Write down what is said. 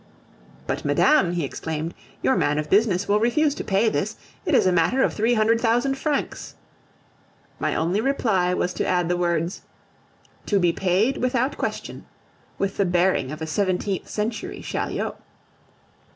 "But, madame," he exclaimed, "your man of business will refuse to pay this; it is a matter of three hundred thousand francs." My only reply was to add the words, "To be paid without question," with the bearing of a seventeenth century Chaulieu.